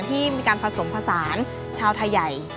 ที่มีการผสมผสานชาวไทยใหญ่